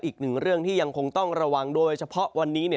อีกหนึ่งเรื่องที่ยังคงต้องระวังโดยเฉพาะวันนี้